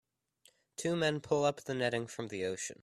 Two men pull up the netting from the ocean.